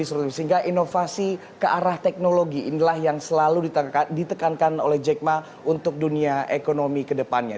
sehingga inovasi ke arah teknologi inilah yang selalu ditekankan oleh jack ma untuk dunia ekonomi ke depannya